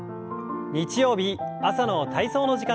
日曜日朝の体操の時間です。